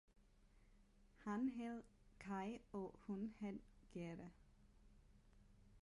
Han hed kay og hun hed gerda